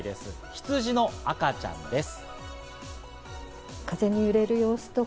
ヒツジの赤ちゃんです。